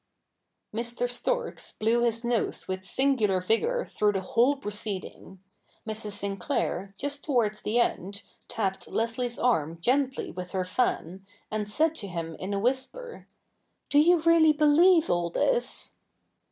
Mr. Storks blew his nose with singular vigour through the whole pro ceeding ; Mrs. Sinclair, just towards the end, tapped Leslie's arm gently with her fan, and said to him in a whisper, ' Do you really believe all this